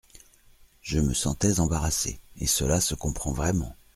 Je me sentais embarrassée, Et cela se comprend vraiment !